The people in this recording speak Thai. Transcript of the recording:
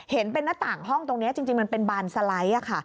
เห็นเป็นหน้าต่างห้องตรงนี้จริงมันเป็นบานสไลด์ค่ะ